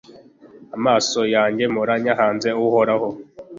amaso yanjye mpora nyahanze uhoraho